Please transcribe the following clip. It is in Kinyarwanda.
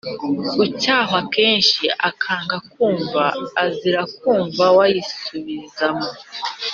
Ucyahwa kenshi akanga kumva azarim kumva wayisubizamo